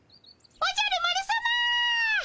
おじゃる丸さま！